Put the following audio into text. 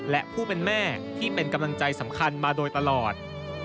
และผู้เป็นแม่ที่เป็นกำลังใจสำคัญมาโดยตลอด